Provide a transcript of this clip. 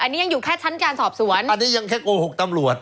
อันนี้ยังอยู่แค่ชั้นการสอบสวนอันนี้ยังแค่โกหกตำรวจ